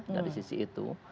dari sisi itu